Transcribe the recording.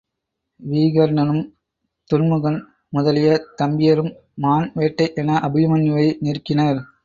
வீகர்ணனும் துன்முகன் முதலிய தம்பியரும் மான் வேட்டை என அபிமன்யுவை நெருக்கினர்.